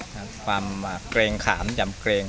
ความเกรงขามหย่ำเกรง